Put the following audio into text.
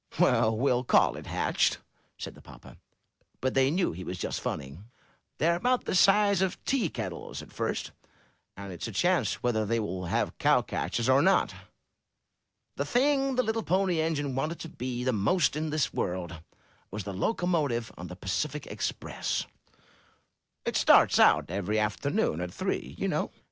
'*Well, we'll call it hatched," said the papa; but they knew he was just funning. '^They're about the size of tea kettles at first; and it's a chance whether they will have cow catchers or not! *The thing that the little Pony Engine wanted to be, 345 MY BOOK HOUSE the most in this world, was the locomotive of the Pacific Express, that starts out every afternoon at three, you know.